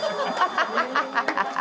ハハハハ！